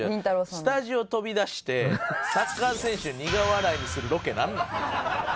スタジオ飛び出してサッカー選手苦笑いにするロケなんなん？